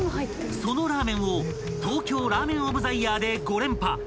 ［そのラーメンを東京ラーメン・オブ・ザ・イヤーで５連覇］